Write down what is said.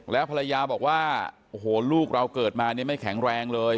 แล้วภรรยาบอกว่าโอ้โหลูกเราเกิดมาเนี่ยไม่แข็งแรงเลย